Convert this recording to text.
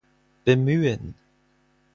Bemühen!